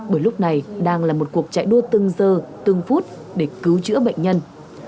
bởi lúc này đang là một cuộc chạy đua từng giờ từng phút để cứu chữa bệnh nhân